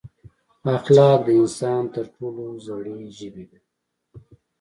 اخلاق د انسان تر ټولو زړې ژبې ده.